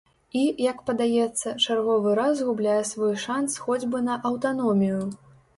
І, як падаецца, чарговы раз губляе свой шанц хоць бы на аўтаномію.